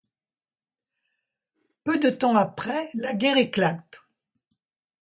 Peu de temps après, la guerre éclate.